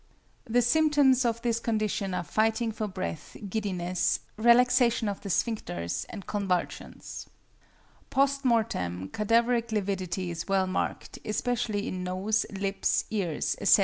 The symptoms of this condition are fighting for breath, giddiness, relaxation of the sphincters, and convulsions. Post mortem, cadaveric lividity is well marked, especially in nose, lips, ears, etc.